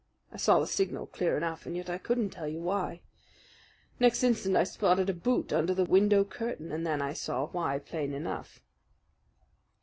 I saw the signal clear enough, and yet I couldn't tell you why. Next instant I spotted a boot under the window curtain, and then I saw why plain enough.